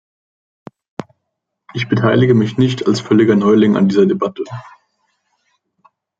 Ich beteilige mich nicht als völliger Neuling an dieser Debatte.